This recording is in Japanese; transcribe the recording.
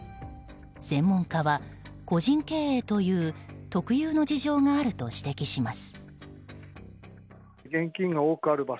専門家は個人経営という特有の事情があると指摘します。